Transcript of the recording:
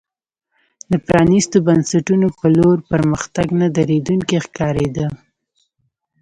د پرانیستو بنسټونو په لور پرمختګ نه درېدونکی ښکارېده.